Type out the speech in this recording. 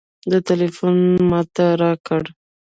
ده ټېلفون ما ته راکړ.